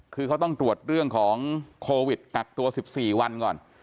คือเขาต้องตรวจเรื่องของโควิดกักตัว๑๔วันก่อน